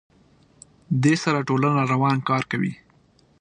دې سره ټولنه روان کار کوي.